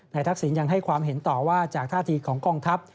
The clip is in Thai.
ทักษิณยังให้ความเห็นต่อว่าจากท่าทีของกองทัพ